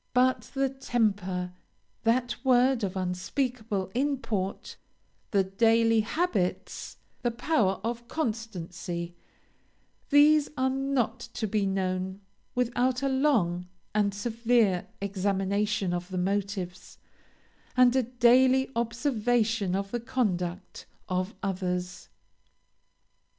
But the temper that word of unspeakable import the daily habits, the power of constancy these are not to be known without a long and severe examination of the motives, and a daily observation of the conduct, of others.